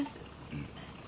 うん。